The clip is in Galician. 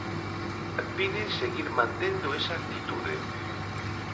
Pide seguir mantendo esa actitude.